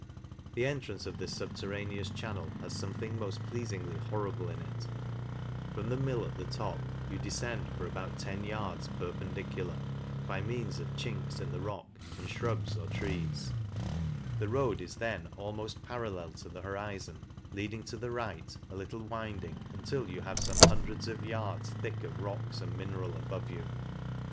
The entrance of this fubterraneous channel has fomething moft pleafingly horrible in it ; from the mill at the top you def cend for about ten yards perpendicular, by ffre'ans of chinks in the rocks, and fhrubs or trees ; the road is then almoft parallel to the horizon, leading to the right, a little, winding, till you have fonxc O 2 hundredi! 7.^2 I AN CASHIR E. hundreds of yards thick of rocks and mineral, above vou.